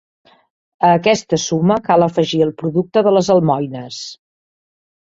A aquesta suma cal afegir el producte de les almoines.